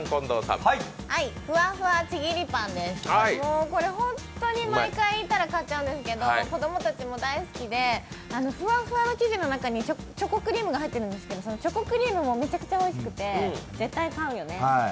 もうこれホントに毎回、行ったら買っちゃうんですけど子供たちも大好きで、ふわふわの生地の中にチョコクリームが入ってるんですけどそのチョコクリームもめちゃくちゃおいしくて、絶対買うよね。